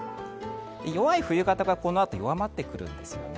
弱い冬型がこのあと弱まってくるんですね。